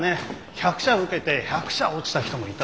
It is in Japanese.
１００社受けて１００社落ちた人もいたしな。